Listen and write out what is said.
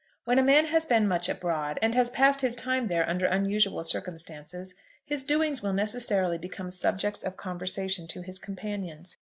When a man has been much abroad, and has passed his time there under unusual circumstances, his doings will necessarily become subjects of conversation to his companions.